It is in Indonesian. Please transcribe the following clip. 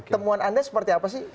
temuan anda seperti apa sih